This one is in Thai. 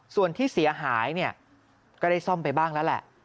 ส่วนที่เสียหายเนี่ยก็ได้ซ่อมไปบ้างแล้วแหละ